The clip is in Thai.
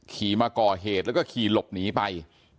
ขี่มาก่อเหตุแล้วก็ขี่หลบหนีไป